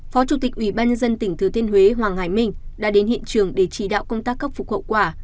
phó chủ tịch ủy ban dân tỉnh thứ thiên huế hoàng hải minh đã đến hiện trường để chỉ đạo công tác cấp phục hậu quả